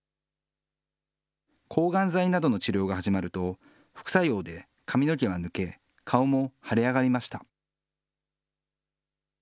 抗がん剤などの治療が始まると、副作用で髪の毛は抜け、顔も腫れ上がりました。